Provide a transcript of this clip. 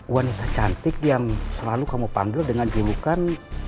wanita cantik yang selalu kamu panggil dengan julukan